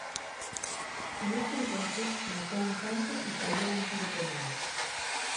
En este encuentro, marcó un tanto y falló un tiro penal.